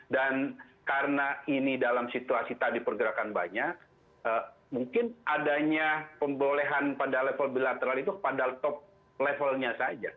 dan karena ini dalam situasi tadi pergerakan banyak mungkin adanya pembolehan pada level bilateral itu pada top levelnya saja